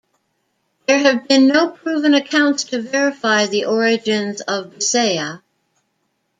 There have been no proven accounts to verify the origins of "Bisaya".